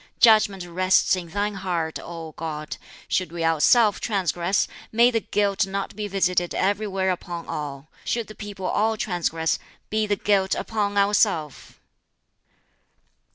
Judgment rests in Thine heart, O God. Should we ourself transgress, may the guilt not be visited everywhere upon all. Should the people all transgress, be the guilt upon ourself!"